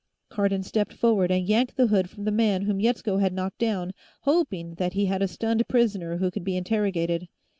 Cardon stepped forward and yanked the hood from the man whom Yetsko had knocked down, hoping that he had a stunned prisoner who could be interrogated.